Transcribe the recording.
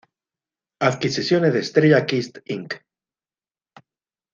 Adquisiciones de Estrella-Kist Inc.